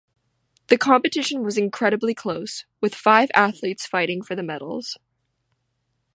The competition was incredibly close, with five athletes fighting for the medals.